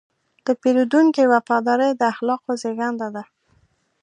د پیرودونکي وفاداري د اخلاقو زېږنده ده.